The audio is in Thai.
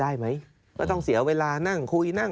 ได้สิคัลลี้อะไรกันอยู่๒วัน